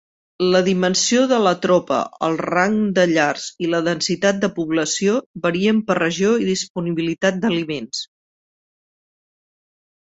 La dimensió de la tropa, el rang de llars i la densitat de població varien per regió i disponibilitat d'aliments.